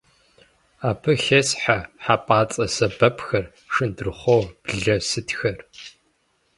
Абы хесхьэ хьэпӀацӀэ сэбэпхэр, шындырхъуо, блэ сытхэр.